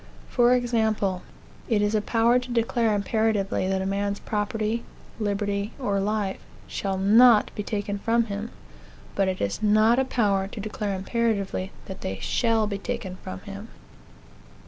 For example, it is a power to declare imperatively that a man's property, liberty, or life, shall not be taken from him; but it is not a power to declare imperatively that they shall be taken from him.